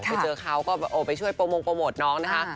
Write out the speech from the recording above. ไปเจอเขาก็ไปช่วยโปรโมทน้องนะคะ